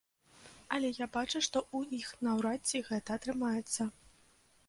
Але я бачу, што ў іх наўрад ці гэта атрымаецца.